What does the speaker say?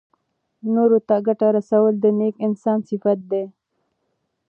نورو ته ګټه رسول د نېک انسان صفت دی.